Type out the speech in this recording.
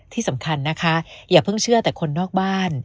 ที่สำคัญนะคะอย่าเพิ่งเชื่อแต่คนนอกบ้าน